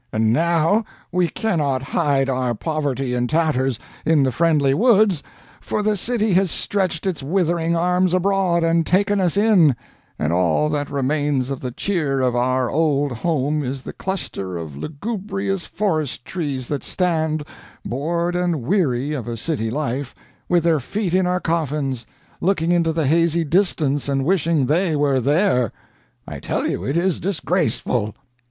And now we cannot hide our poverty and tatters in the friendly woods, for the city has stretched its withering arms abroad and taken us in, and all that remains of the cheer of our old home is the cluster of lugubrious forest trees that stand, bored and weary of a city life, with their feet in our coffins, looking into the hazy distance and wishing they were there. I tell you it is disgraceful!